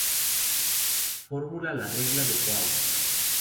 Formula la regla de Wahl.